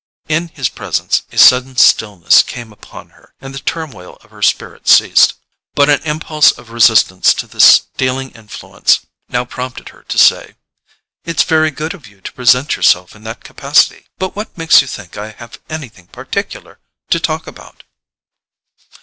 In his presence a sudden stillness came upon her, and the turmoil of her spirit ceased; but an impulse of resistance to this stealing influence now prompted her to say: "It's very good of you to present yourself in that capacity; but what makes you think I have anything particular to talk about?"